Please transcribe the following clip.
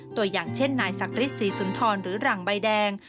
ตัวอย่างเช่นนายศักดิ์ศรีสุนทรหรือหลังใบแดง